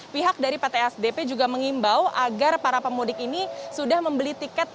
pihak dari pt asdp juga mengimbau agar para pemudik ini sudah membeli tiket